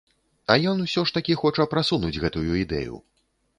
А ён усё ж такі хоча прасунуць гэтую ідэю.